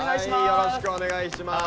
よろしくお願いします。